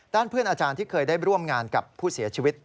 เพื่อนอาจารย์ที่เคยได้ร่วมงานกับผู้เสียชีวิต